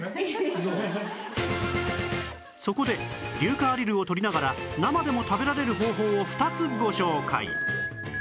そこで硫化アリルをとりながら生でも食べられる方法を２つご紹介